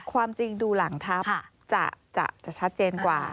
ความจริงดูหลังทัพจะชัดเจนกว่า